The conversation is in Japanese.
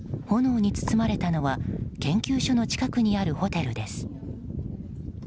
炎に包まれたのは研究所の近くにあるホテルです。